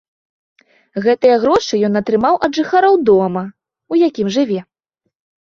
Гэтыя грошы ён атрымаў ад жыхароў дома, у якім жыве.